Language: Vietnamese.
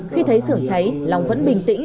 khi thấy sưởng cháy long vẫn bình tĩnh